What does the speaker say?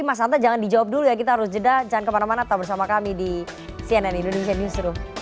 mas hanta jangan dijawab dulu ya kita harus jeda jangan kemana mana tetap bersama kami di cnn indonesia newsroom